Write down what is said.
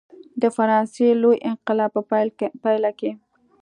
د فرانسې لوی انقلاب په پایله کې.